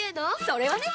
それはね！